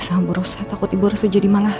soal bu rosa takut ibu rosa jadi malah